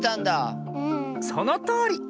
そのとおり！